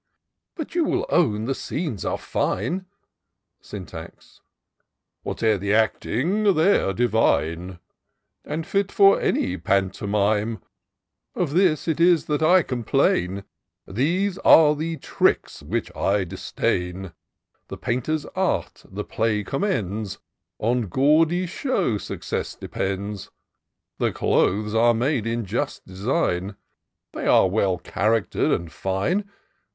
" But you will own the scenes are fine." Syntax. " Whate'er the acting, they're divine, And fit for any pantomime. IN SEARCH OF THE PICTURESQUE. 307 Of this it is that I complain ; These are the tricks which I disdain : The painter's art the play commends ; On gaudy show success depends : The clothes are made in just design ; They are well character'd and fine.